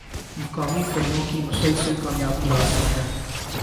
مقامی فلموں کی مسلسل کامیابی لازمی ہے۔